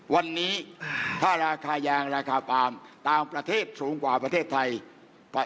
วันนี้ถ้าราคายางราคาปาล์มต่างประเทศสูงกว่าประเทศไทย